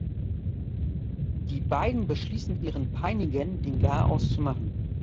Die beiden beschließen ihren Peinigern den Garaus zu machen.